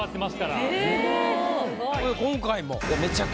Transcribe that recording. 今回も。